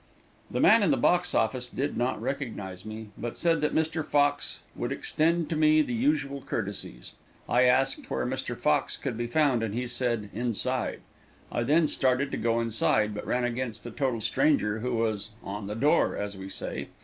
The man in the box office did not recognize me, but said that Mr. Fox would extend to me the usual courtesies. I asked where Mr. Fox could be found, and he said inside. I then started to go inside, but ran against a total stranger, who was "on the door," as we say.